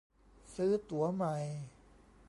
ซื้อตั๋วใหม่